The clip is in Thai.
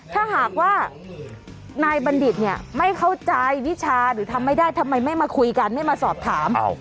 ถ้าหากว่านายบัณฑิตเนี่ยไม่เข้าใจวิชาหรือทำไม่ได้ทำไมไม่มาคุยกันไม่มาสอบถาม